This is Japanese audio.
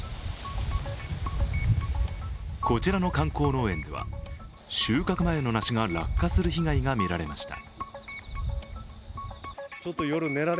こちらの観光農園では収獲前の梨が落下する被害がみられました。